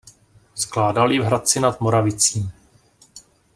Skládal ji v Hradci nad Moravicí.